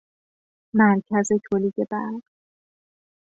مرکز تولید برق